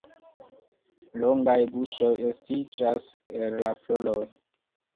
Longaj guŝoj estiĝas el la floroj.